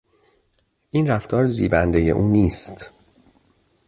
این رفتار زیبندهی او نیست.